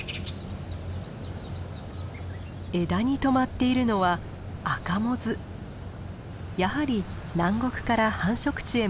枝にとまっているのはやはり南国から繁殖地へ向かう途中です。